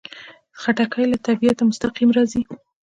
خټکی له طبیعته مستقیم راځي.